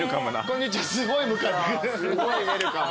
こんにちは！